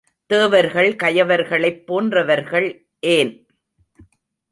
தேவர்கள் கயவர்களைப் போன்றவர்கள் ஏன்?